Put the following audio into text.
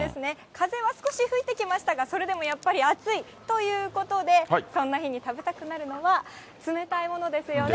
風は少し吹いてきましたが、それでもやっぱり暑いということで、そんな日に食べたくなるのは、冷たいものですよね。